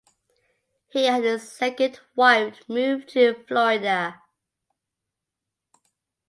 He and his second wife moved to Florida.